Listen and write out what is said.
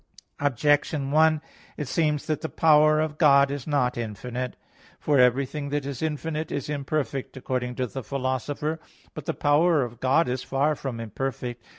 Objection 1: It seems that the power of God is not infinite. For everything that is infinite is imperfect according to the Philosopher (Phys. iii, 6). But the power of God is far from imperfect.